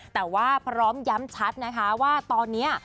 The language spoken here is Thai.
แต่ว่าพร้อมย้ำชัดนะคะว่าตอนนี้